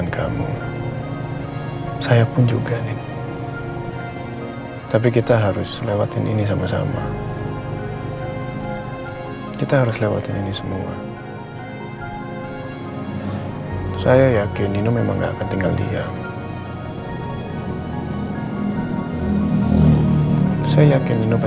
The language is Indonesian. kapanpun aku mau